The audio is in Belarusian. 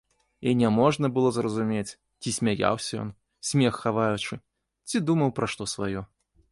І няможна было зразумець, ці смяяўся ён, смех хаваючы, ці думаў пра што сваё.